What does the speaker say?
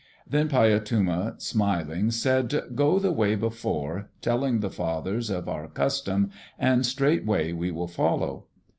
Then Paiyatuma, smiling, said, "Go the way before, telling the fathers of our custom, and straightway we will follow."